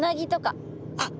あっ